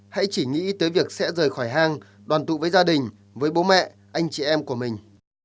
hãy chỉ nghĩ tới việc sẽ rời khỏi hang đoàn tụ với gia đình với bố mẹ anh chị em của mình